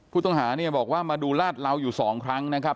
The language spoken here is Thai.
ผู้ต้องหาเนี่ยบอกว่ามาดูลาดเหลาอยู่๒ครั้งนะครับ